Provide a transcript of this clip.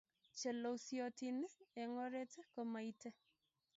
Che lusyotin eng' oret komaite